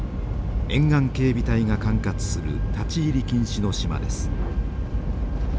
沿岸警備隊が管轄する立ち入り禁止の島です。